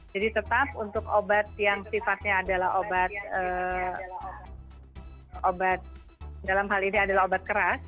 jadi tetap untuk obat yang sifatnya adalah obat keras